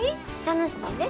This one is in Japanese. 楽しいで。